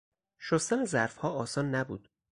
شستن ظرفها آسان نبود.